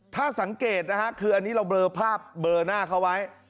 ถ้าสังเกตนะฮะคืออันนี้เราเบลอภาพเบอร์หน้าเขาไว้